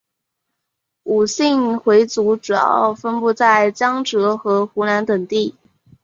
伍姓回族主要分布在江浙和湖南等地。